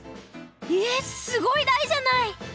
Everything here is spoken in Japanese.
ええっすごいだいじゃない！